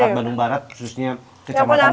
di negara barat khususnya kecamatan padalarang